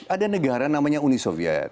ada negara namanya uni soviet